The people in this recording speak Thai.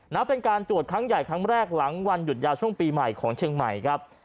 นะเป็นการตรวจครั้งใหญ่ครั้งแรกหลังวันหยุดยาวช่วงปีใหม่ของเชียงใหม่ครับ